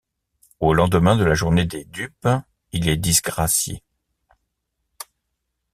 Au lendemain de la journée des Dupes, il est disgracié.